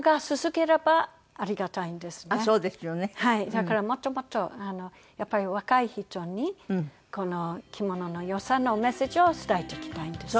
だからもっともっとやっぱり若い人にこの着物のよさのメッセージを伝えていきたいんです。